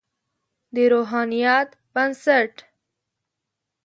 د روحانیت بنسټ.